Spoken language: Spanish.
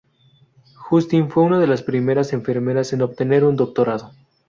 Justin fue una de las primeras enfermeras en obtener un doctorado.